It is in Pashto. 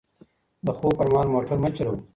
د خوب پر مهال موټر مه چلوئ.